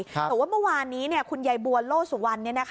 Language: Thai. แต่ว่าเมื่อวานนี้คุณยายบัวโลสุวรรณ